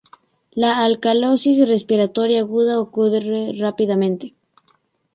La alcalosis respiratoria aguda ocurre rápidamente.